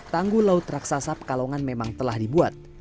tanggul laut raksasa pekalongan memang telah dibuat